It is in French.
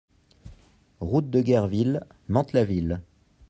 Route de Guerville, Mantes-la-Ville